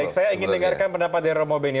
saya ingin dengarkan pendapatnya romo beni